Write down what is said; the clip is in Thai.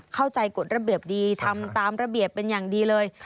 กฎระเบียบดีทำตามระเบียบเป็นอย่างดีเลย